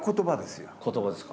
言葉ですか。